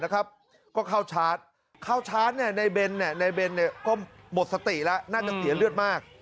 น่าจะเสียเลือดมาก